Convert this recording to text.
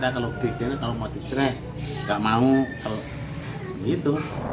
kalau mau kejadiannya kalau mau di try